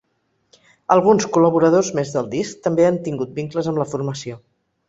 Alguns col·laboradors més del disc també han tingut vincles amb la formació.